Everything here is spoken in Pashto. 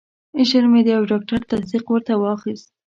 ژر مې د یو ډاکټر تصدیق ورته واخیست.